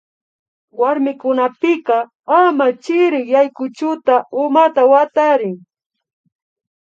Warmikunapika ama chirik yaykuchuka umata watarin